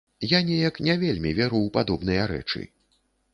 Я неяк не вельмі веру ў падобныя рэчы.